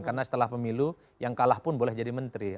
karena setelah pemilu yang kalah pun boleh jadi menteri